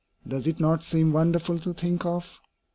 Does it not seem wonderful to think of?